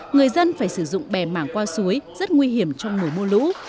người dân phải sử dụng bè mảng qua suối rất nguy hiểm trong mùa mưa lũ